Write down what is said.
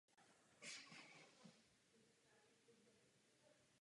Vznikly i budovy v dnešním historickém centru města.